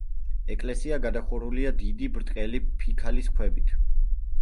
ეკლესია გადახურულია დიდი ბრტყელი ფიქალის ქვებით.